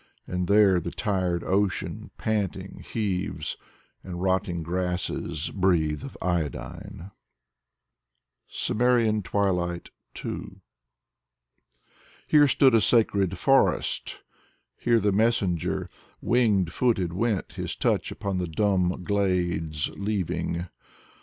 And there the tired ocean, panting, heaves, And rotting grasses breathe of iodine. 114 Maximilian Voloshin CIMMERIAN TWILIGHT II Here stood a sacred forest. Here the messenger Wing footed went, his touch upon the dumb glades leav ing